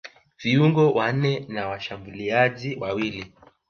viungo wanne na washambuliaji wawili